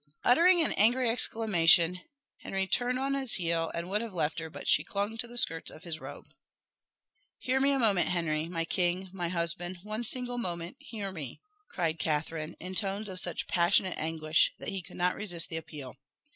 Uttering an angry exclamation, Henry turned on his heel and would have left her, but she clung to the skirts of his robe. "Hear me a moment, Henry my king my husband one single moment hear me!" cried Catherine, in tones of such passionate anguish that he could not resist the appeal.